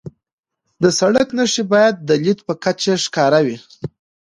د سړک نښې باید د لید په کچه ښکاره وي.